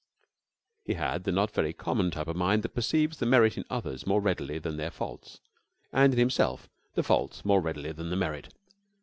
He had the not very common type of mind that perceives the merit in others more readily than their faults, and in himself the faults more readily than the merit.